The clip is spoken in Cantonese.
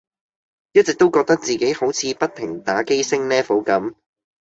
一直都覺得自己好似不停打機升 Level 咁